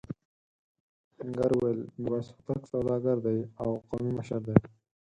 آهنګر وویل میرويس هوتک سوداګر دی او قومي مشر دی.